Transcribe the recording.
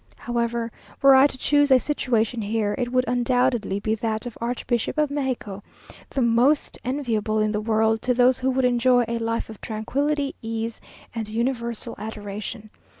However, were I to choose a situation here, it would undoubtedly be that of Archbishop of Mexico, the most enviable in the world to those who would enjoy a life of tranquillity, ease, and universal adoration.